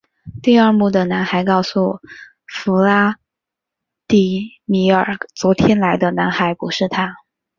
第二幕的男孩告诉弗拉第米尔昨天来的男孩不是他。